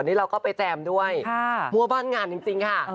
นี่เราก็ไปแจมด้วยมั่วบ้านงานจริงค่ะ